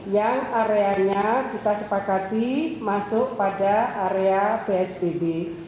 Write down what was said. yang areanya kita sepakati masuk pada area psbb